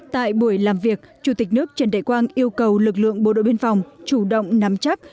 tại buổi làm việc chủ tịch nước trần đại quang yêu cầu lực lượng bộ đội biên phòng chủ động nắm chắc